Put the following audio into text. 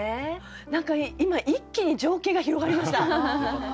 何か今一気に情景が広がりました。